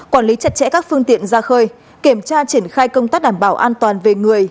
quản lý chặt chẽ các phương tiện ra khơi kiểm tra triển khai công tác đảm bảo an toàn về người